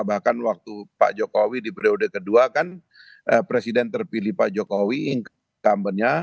bahkan waktu pak jokowi di periode kedua kan presiden terpilih pak jokowi incumbent nya